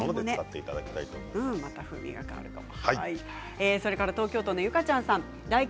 また風味が変わるかも。